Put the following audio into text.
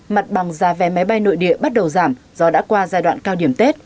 mặt bằng giá vé máy bay nội địa bắt đầu giảm do đã qua giai đoạn cao điểm tết